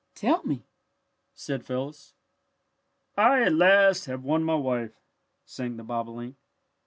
"Tell me " said Phyllis. "I at last have won my wife," sang the bobolink.